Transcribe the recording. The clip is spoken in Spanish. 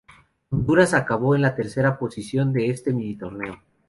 Honduras acabó en la tercera posición de este mini-torneo.